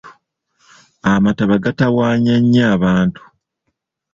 Amataba gatawaanya nnyo abantu.